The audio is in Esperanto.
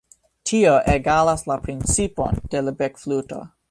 Tio egalas la principon de la bekfluto.